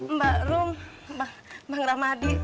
mbak rum bang ramadi